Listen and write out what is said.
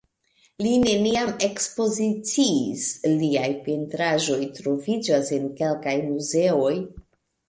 Li neniam ekspoziciis, liaj pentraĵoj troviĝas en kelkaj muzeoj.